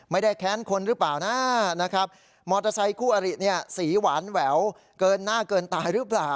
แค้นคนหรือเปล่านะนะครับมอเตอร์ไซคู่อริเนี่ยสีหวานแหววเกินหน้าเกินตายหรือเปล่า